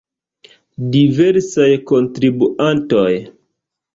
Diversaj kontribuantoj.